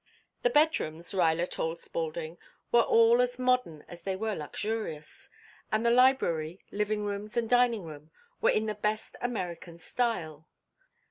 The bedrooms, Ruyler told Spaulding, were all as modern as they were luxurious, and the library, living rooms, and dining room, were in the best American style.